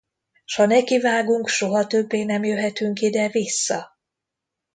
S ha nekivágunk, soha többé nem jöhetünk ide vissza?